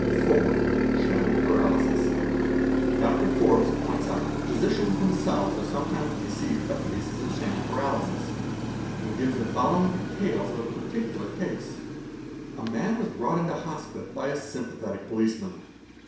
4. Shamming Paralysis. j Dr. Forbes points out that physicians themselves are sometimes _ deceived by cases of sham Paralysis, and gives the following details "A man was brought into hospital by a sympathetic policeman.